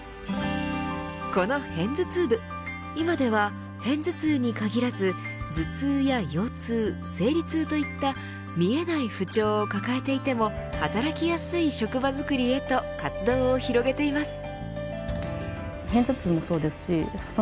このヘンズツウ部今では片頭痛に限らず頭痛や腰痛、生理痛といった見えない不調を抱えていても働きやすい職場づくりへと活動を広げています。